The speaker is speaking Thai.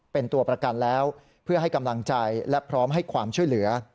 เป็นตัวประกันแล้วเพื่อให้กำลังใจและพร้อมให้ความช่วยเหลือ